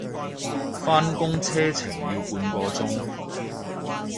返工車程要個半鐘